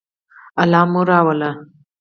الله مو راوله